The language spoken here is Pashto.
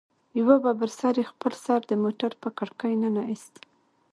يوه ببر سري خپل سر د موټر په کړکۍ ننه ايست.